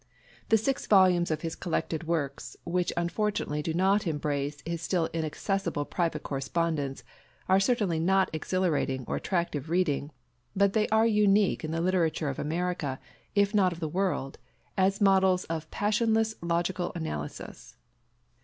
The six volumes of his collected works, which unfortunately do not embrace his still inaccessible private correspondence, are certainly not exhilarating or attractive reading; but they are unique in the literature of America, if not of the world, as models of passionless logical analysis.